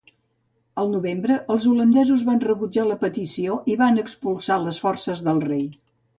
El novembre, els holandesos van rebutjar la petició i van expulsar les forces del rei.